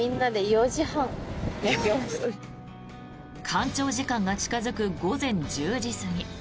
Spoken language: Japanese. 干潮時間が近付く午前１０時過ぎ。